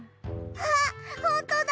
あっほんとだ！